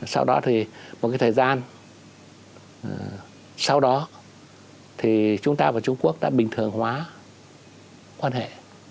sau đó thì một cái thời gian sau đó thì chúng ta và trung quốc đã bình thường hóa quan hệ